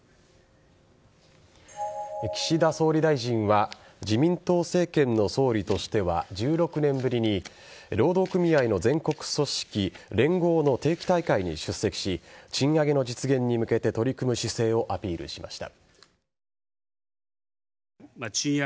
岸田総理大臣は自民党政権の総理としては１６年ぶりに労働組合の全国組織連合の定期大会に出席し賃上げの実現に向けて取り組む姿勢をアピールしました。